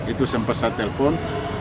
itu sempat saya telepon